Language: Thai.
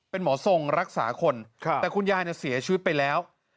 เป็นหมอทรงรักษาคนแต่คุณยายเสียชีวิตไปแล้ว